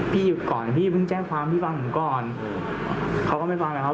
พี่ก่อนพี่แจ้งความครับนะเขาก็ไม่ฟังแล้วเขา